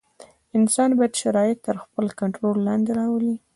انسان باید شرایط تر خپل کنټرول لاندې راولي.